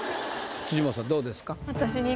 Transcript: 辻元さんどうですか？